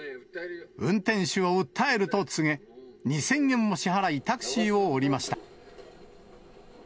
運転手を訴えると告げ、２０００円を支払いタクシーを降りました。